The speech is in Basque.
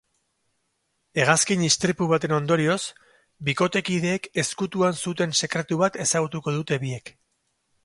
Hegazkin istripu baten ondorioz, bikotekideek ezkutuan zuten sekretu bat ezagutuko dute biek.